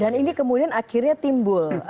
dan ini kemudian akhirnya timbul